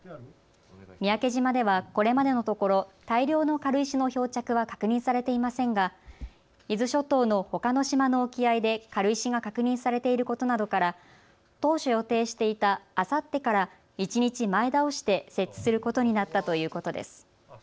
三宅島ではこれまでのところ大量の軽石の漂着は確認されていませんが伊豆諸島のほかの島の沖合で軽石が確認されていることなどから当初予定していたあさってから１日前倒して設置することになったということです。